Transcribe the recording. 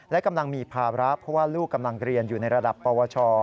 และกำลังมีภาระเพราะว่าลูกกำลังเรียนอยู่ในระดับปวช